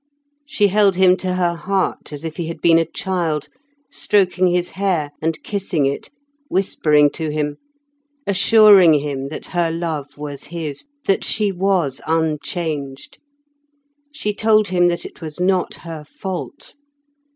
She held him to her heart as if he had been a child, stroking his hair and kissing it, whispering to him, assuring him that her love was his, that she was unchanged. She told him that it was not her fault.